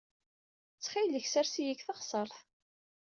Ttxil-k, ssers-iyi deg teɣsert.